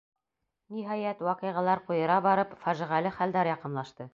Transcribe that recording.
Ниһайәт, ваҡиғалар ҡуйыра барып, фажиғәле хәлдәр яҡынлашты.